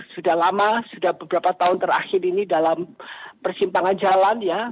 sudah lama sudah beberapa tahun terakhir ini dalam persimpangan jalan ya